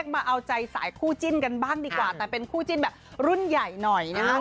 มาเอาใจสายคู่จิ้นกันบ้างดีกว่าแต่เป็นคู่จิ้นแบบรุ่นใหญ่หน่อยนะครับ